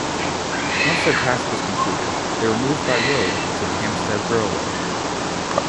Once their task was completed, they were moved by road to the Hampstead Railway.